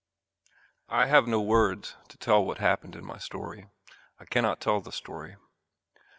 I have no words to tell what happened in my story. I cannot tell the story.